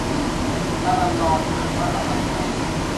รรรรร อ่านว่า ระรันรอน